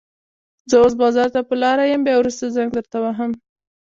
زه اوس بازار ته په لاره يم، بيا وروسته زنګ درته وهم.